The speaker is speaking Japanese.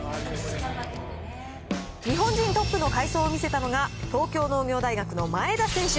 日本人トップの快走を見せたのが、東京農業大学の前田選手。